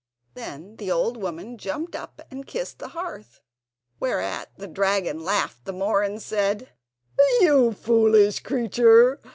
Then the old woman jumped up and kissed the hearth; whereat the dragon laughed the more, and said: "You foolish creature!